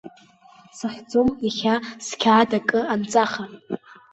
Сахьӡом иахьа сқьаад акы анҵаха.